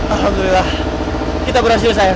alhamdulillah kita berhasil sayang